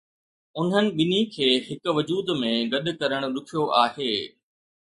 انهن ٻنهي کي هڪ وجود ۾ گڏ ڪرڻ ڏکيو آهي.